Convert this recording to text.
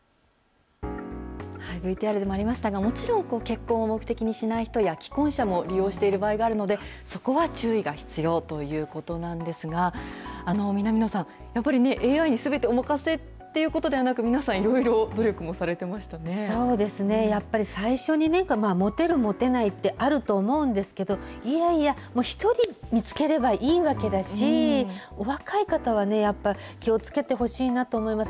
ＶＴＲでもありましたが、もちろん、結婚を目的にしない人や、既婚者も利用している場合があるので、そこは注意が必要ということなんですが、南野さん、やっぱりね、ＡＩにすべてお任せっていうことではなく、皆さん、いろいろ努力そうですね、最初にね、もてる、もてないってあると思うんですけど、いやいや、１人見つければいいわけだし、お若い方はね、やっぱり気をつけてほしいなと思います。